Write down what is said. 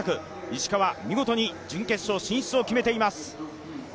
石川、見事に準決勝進出を決めています。